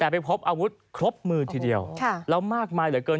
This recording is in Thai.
แต่ไปพบอาวุธครบมือทีเดียวแล้วมากมายเหลือเกิน